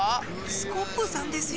スコップさんですよ。